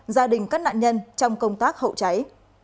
gia đình các nạn nhân trong công tác hậu cháy